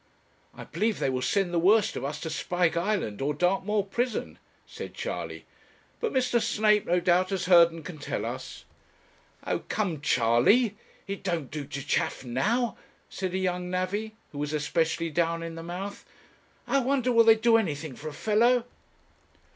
'I believe they will send the worst of us to Spike Island or Dartmoor prison,' said Charley; 'but Mr. Snape, no doubt, has heard and can tell us.' 'Oh, come, Charley! It don't do to chaff now,' said a young navvy, who was especially down in the mouth. 'I wonder will they do anything for a fellow?'